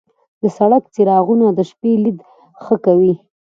د سړک څراغونه د شپې لید ښه کوي.